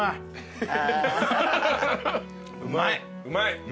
うまい。